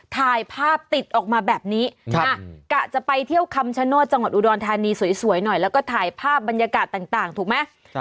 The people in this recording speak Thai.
ถ่ายภาพติดออกมาแบบนี้กะจะไปเที่ยวคำชโนธจังหวัดอุดรธานีสวยหน่อยแล้วก็ถ่ายภาพบรรยากาศต่างถูกไหม